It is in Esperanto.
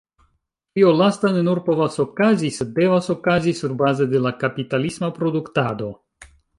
Tio lasta ne nur povas okazi, sed devas okazi, surbaze de la kapitalisma produktado.